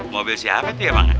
mobil siap itu ya bang